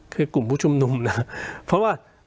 คือกลุ่มผู้ชุมนุมนะเพราะว่า